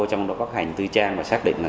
trong độc hóa hành tư trang và xác định là